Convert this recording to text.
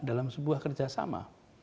dalam sebuah kerjasama